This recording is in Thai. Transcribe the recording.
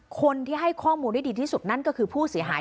คนที่ให้ข้อมูลได้ดีที่สุดนั่นก็คือผู้เสียหาย